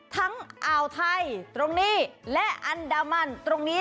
อ่าวไทยตรงนี้และอันดามันตรงนี้